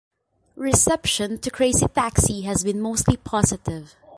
Reception to "Crazy Taxi" has been mostly positive.